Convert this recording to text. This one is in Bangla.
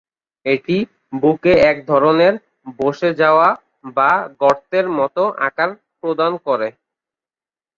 এটি বুকে এক ধরনের বসে যাওয়া বা গর্তের মত আকার প্রদান করে।